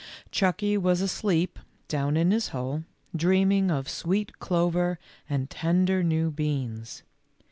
Chucky was asleep down in his hole, dream ing of sweet clover and tender new beans.